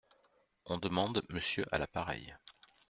On demande Monsieur à l’appareil.